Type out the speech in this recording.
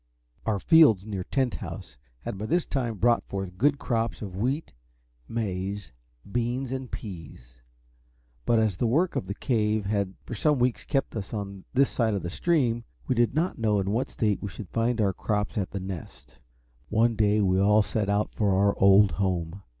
OUR fields near Tent House had by this time brought forth good crops of wheat, maize, beans, and peas; but as the work of the Cave had for some weeks kept us on this side of the stream, we did not know in what state we should find our crops at The Nest. One day we all set out for our old home.